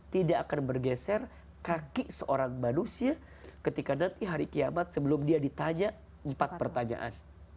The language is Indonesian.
tidak akan bergeser kaki seorang manusia ketika nanti hari kiamat sebelum dia ditanya empat pertanyaan